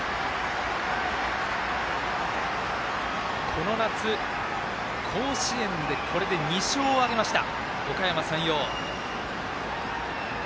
この夏、甲子園でこれで２勝を挙げました。